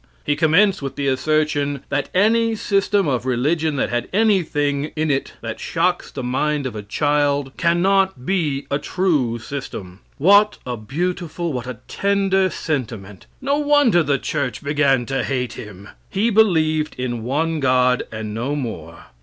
He commenced with the assertion "That any system of religion that had anything in it that shocks the mind of a child can not be a true system." What a beautiful, what a tender sentiment! No wonder the church began to hate him. He believed in one God, and no more.